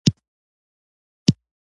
باد د ورکو قدمونو سرود دی